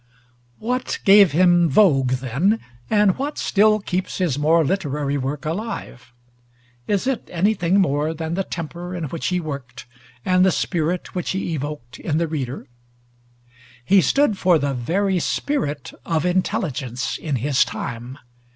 What gave him vogue, then, and what still keeps his more literary work alive? Is it anything more than the temper in which he worked, and the spirit which he evoked in the reader? He stood for the very spirit of intelligence in his time.